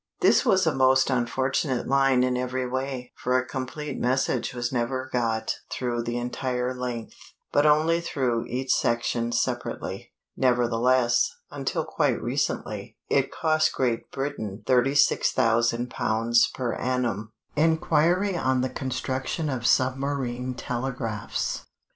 This was a most unfortunate line in every way, for a complete message was never got through the entire length, but only through each section separately. Nevertheless, until quite recently, it cost Great Britain £36,000 per annum. _Inquiry on the Construction of Submarine Telegraphs.